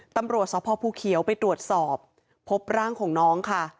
ตำรวจสพภูเขียวไปตรวจสอบพบร่างของน้องค่ะ